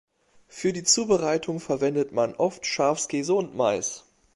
Für die Zubereitung verwendet man oft Schafskäse und Mais.